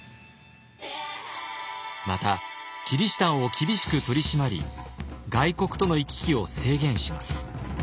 またキリシタンを厳しく取り締まり外国との行き来を制限します。